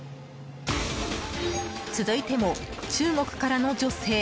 続いても中国からの女性。